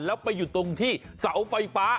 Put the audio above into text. แล้วไปอยู่ตรงที่เสาไฟฟ้า